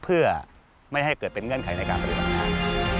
เพื่อไม่ให้เกิดเป็นเงื่อนไขในการปฏิบัติงาน